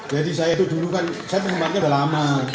jadi saya itu dulu kan saya pengumatnya udah lama